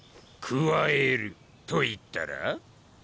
加えると言ったら？